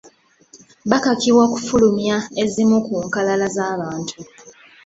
Bakakibwa okufulumya ezimu ku nkalala z’abantu.